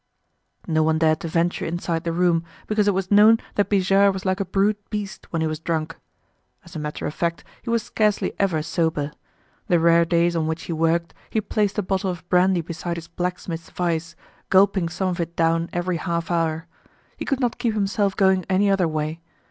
No one dared to venture inside the room, because it was known that Bijard was like a brute beast when he was drunk. As a matter of fact, he was scarcely ever sober. The rare days on which he worked, he placed a bottle of brandy beside his blacksmith's vise, gulping some of it down every half hour. He could not keep himself going any other way.